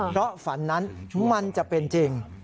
เพราะฝันนั้นมันจะเป็นจริง